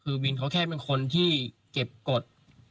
คือวินเขาแค่เป็นคนที่เก็บกฎ